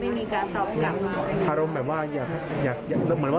ให้กับสิ่งศักดิ์ศิษย์ให้กับสิ่งที่เรามองไม่เห็นตอนนี้ก็คือหลากหลากโอเคแล้วก็ยังรอพ่อรอ